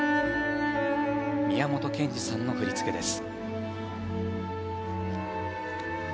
宮本賢二さんの振り付けです。